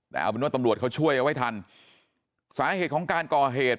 แต่เอาเป็นว่าตำรวจเขาช่วยเอาไว้ทันสาเหตุของการก่อเหตุ